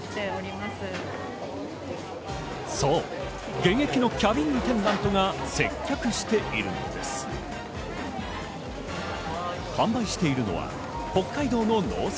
現役のキャビンアテンダントが接客しているんです。